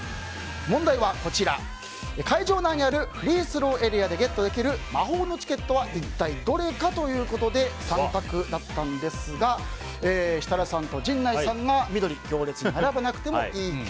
問題は、会場内にあるフリースローエリアでゲットできる魔法のチケットは一体どれかということで３択だったんですが設楽さんと陣内さんが緑行列に並ばなくていい券。